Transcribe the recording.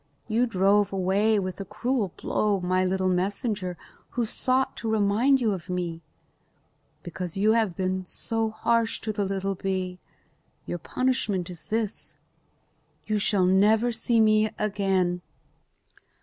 You drove away with a cruel blow my little messenger who sought to remind you of me. Because you have been harsh to the little bee, your punishment is this: You shall never see me again."